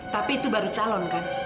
tapi itu baru calon kan